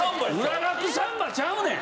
『浦学サンバ』ちゃうねん。